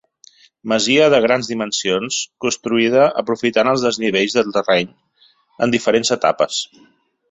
Masia de grans dimensions construïda aprofitant els desnivells del terreny en diferents etapes.